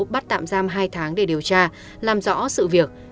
bắt tạm giam hai tháng để điều tra làm rõ sự việc